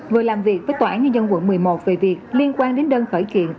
vừa làm việc với tòa án nhân dân quận một mươi một về việc liên quan đến đơn khởi kiện